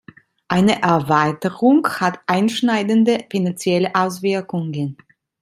Eine Erweiterung hat einschneidende finanzielle Auswirkungen.